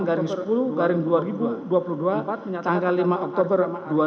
garing sepuluh garing dua ribu dua puluh dua tanggal lima oktober dua ribu dua puluh